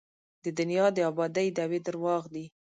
د دنیا د ابادۍ دعوې درواغ دي.